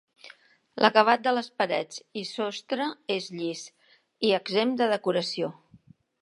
L'acabat de les parets i sostre és llis i exempt de decoració.